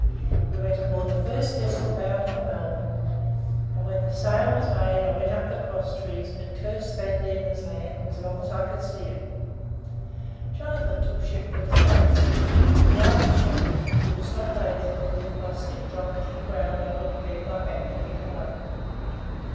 We went aboard the first vessel bound for Melbourne, and, when sail was made, I went up to the cross trees and cursed Van Diemen's Land as long as I could see it. Jonathan took ship for the States, but I went shepherding, and grew so lazy that if my stick dropped to the ground I wouldn't bend my back to pick it up.